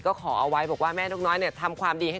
ก็ขอเอาไว้บอกว่าแม่นกน้อยเนี่ยทำความดีให้